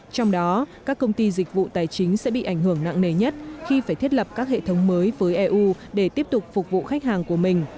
trong đó các công ty dịch vụ tài chính sẽ bị ảnh hưởng nặng nề nhất khi phải thiết lập các hệ thống mới với eu để tiếp tục phục vụ khách hàng của mình